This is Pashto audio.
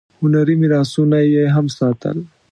هنري میراثونه یې هم ساتل.